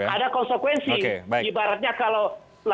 ada konsekuensi ibaratnya kalau